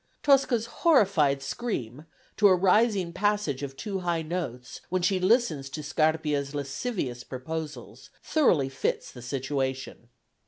Tosca's horrified scream, to a rising passage of two high notes, when she listens to Scarpia's lascivious proposals, thoroughly fits the situation.